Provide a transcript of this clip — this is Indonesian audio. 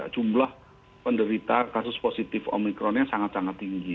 jumlah penderita kasus positif omikronnya sangat sangat tinggi